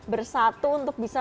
bersatu untuk bisa